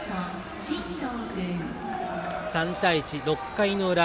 ３対１、６回の裏。